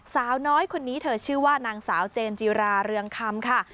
สาวน้อยคนนี้เธอชื่อว่านางสาวเจนจิราเรืองคำค่ะ